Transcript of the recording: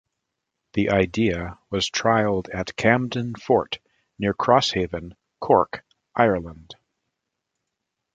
The idea was trialled at Camden Fort near Crosshaven, Cork, Ireland.